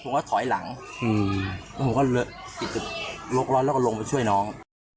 ผมก็ถอยหลังผมก็ลดลดแล้วก็ลงมาช่วยน้อง